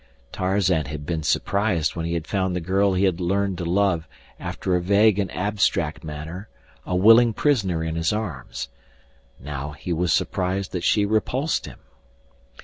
Tarzan had been surprised when he had found the girl he had learned to love after a vague and abstract manner a willing prisoner in his arms. Now he was surprised that she repulsed him.